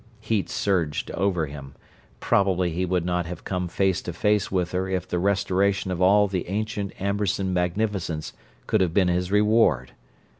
Heat surged over him: probably he would not have come face to face with her if the restoration of all the ancient Amberson magnificence could have been his reward.